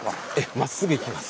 まっすぐ行きます。